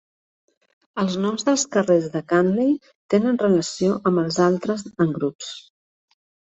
Els noms dels carrers de Cantley tenen relació amb els altres en grups.